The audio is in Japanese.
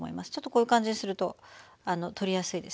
こういう感じですると取りやすいですよね。